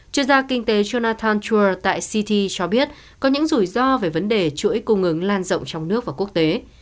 chuyên gia kinh tế jonathan tour tại city cho biết có những rủi ro về vấn đề chuỗi cung ứng lan rộng trong nước và quốc tế